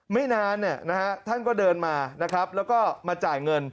ไม่นานท่านก็เดินมานะครับแล้วก็มาจ่ายเงิน